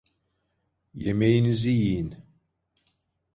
Yemeğinizi yiyin.